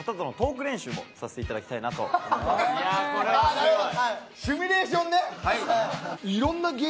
あなるほど。